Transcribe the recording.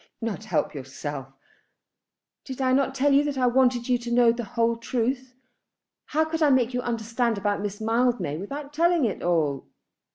"Not help yourself!" "Did I not tell you that I wanted you to know the whole truth? How could I make you understand about Miss Mildmay without telling it all?